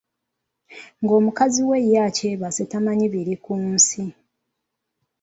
Nga mukazi we ye akyebase tamanyi bili ku nsi.